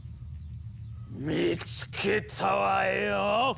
見つけたわよ！